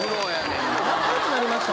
んな仲よくなりました